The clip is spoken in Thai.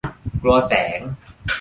กลัวแสง